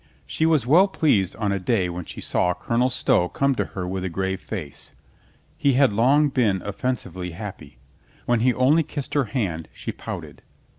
She was well pleased on a day when she saw Colonel Stow come to her with a grave face. He had long been offensively happy. When he only kissed her hand, she pouted.